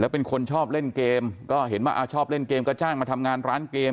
เป็นคนชอบเล่นเกมก็เห็นว่าชอบเล่นเกมก็จ้างมาทำงานร้านเกม